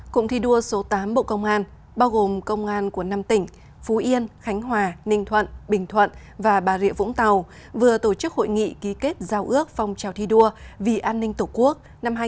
cụm thi đua số tám bộ công an bao gồm công an của năm tỉnh phú yên khánh hòa ninh thuận bình thuận và bà rịa vũng tàu vừa tổ chức hội nghị ký kết giao ước phong trào thi đua vì an ninh tổ quốc năm hai nghìn hai mươi bốn